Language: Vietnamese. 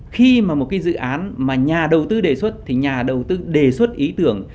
khi mà một cái dự án mà nhà đầu tư đề xuất thì nhà đầu tư đề xuất ý tưởng